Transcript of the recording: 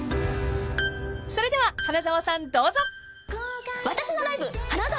［それでは花澤さんどうぞ］言えた。